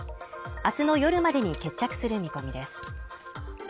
明日の夜までに決着する見込みです。